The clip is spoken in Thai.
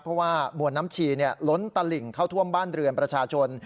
เพราะว่ามวลน้ำชีล้นตลิ่งเข้าท่วมบ้านเรือนประชาชน